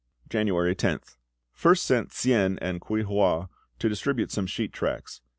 January 10th. First sent Tsien and Kuei hua to distribute some sheet tracts.